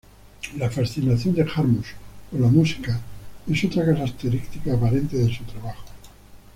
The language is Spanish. La fascinación de Jarmusch por la música es otra característica aparente de su trabajo.